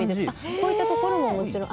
こういったところももちろん。